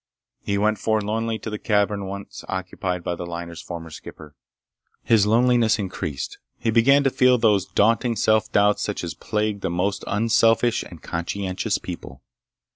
He went forlornly to the cabin once occupied by the liner's former skipper. His loneliness increased. He began to feel those daunting self doubts such as plague the most unselfish and conscientious people.